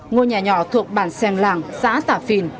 ngôi nhà nhỏ thuộc bản seng làng xã tạp vìn